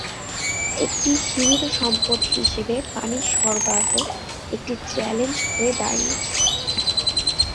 একটি সীমিত সম্পদ হিসেবে পানির সরবরাহ একটি চ্যালেঞ্জ হয়ে দাঁড়িয়েছে।